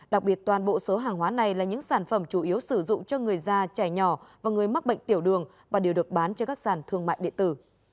đặc biệt toàn bộ số hàng hóa này là những sản phẩm chủ yếu sử dụng cho người già trẻ nhỏ và người mắc bệnh tiểu đường và đều được bán trên các sàn thương mại điện tử